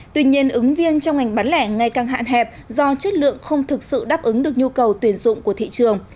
tuy nhiên ứng viên trong ngành bán lẻ ngày càng hạn hẹp do chất lượng không thực sự đáp ứng được nhu cầu tuyển dụng của thị trường